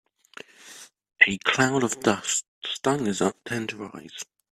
A cloud of dust stung his tender eyes.